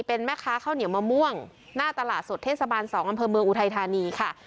เป็นแม่ค้าข้าวเหนียวมะม่วงหน้าตลาดสดเทศบาล๒อำเภอเมืองอุทัยธานีค่ะ